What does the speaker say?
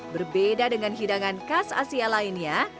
berbeda dengan hidangan khas asia lainnya